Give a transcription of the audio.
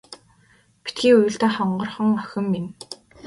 Битгий уйл даа хонгорхон охин минь.